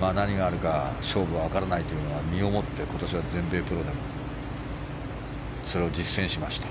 何があるか勝負は分からないというのを身をもって、今年は全米プロでもそれを実践しました。